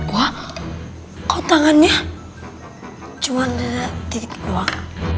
wah kok tangannya cuma titik doang